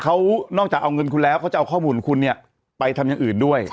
เขานอกจากเอาเงินคุณแล้วเขาจะเอาข้อมูลของคุณเนี่ยไปทำอย่างอื่นด้วย